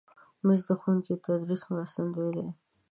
مېز د ښوونکي د تدریس مرستندوی دی.